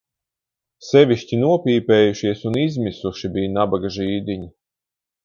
Sevišķi nopīpējušies un izmisuši bij nabaga žīdiņi.